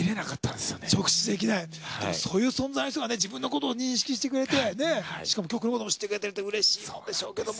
でもそういう存在の人がね自分のことを認識してくれてしかも曲のことも知ってくれてるってうれしいんでしょうけども。